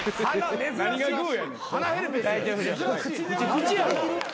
口やろ。